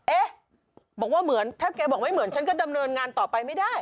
เอ๊ะบอกว่าเหมือนถ้าแกบอกไม่เหมือนฉันก็ดำเนินงานต่อไปไม่ได้